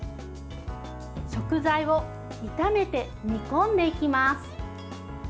食材を炒めて煮込んでいきます。